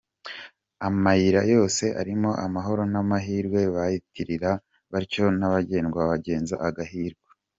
Amayira yose arimo amahoro n’amahirwe bayitirira batyo Nyabagendwa wagenze agahirwa.